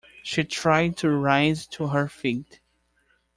She tried to rise to her feet.